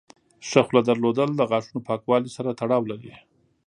ښه خوله درلودل د غاښونو پاکوالي سره تړاو لري.